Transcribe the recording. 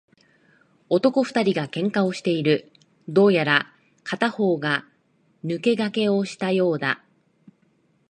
男二人が喧嘩をしている。どうやら片方が抜け駆けをしたようだ。